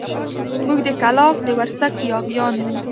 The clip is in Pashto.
موږ د کلاخ د ورسک ياغيان يو.